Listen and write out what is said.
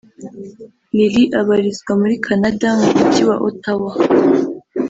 Lily abarizwa muri Canada mu mujyi wa Ottawa